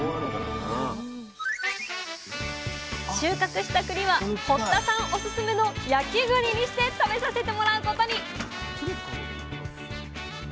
収穫したくりは堀田さんオススメの焼きぐりにして食べさせてもらうことに！